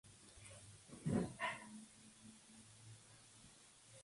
El álbum recibió una respuesta positiva desde las personas en su país.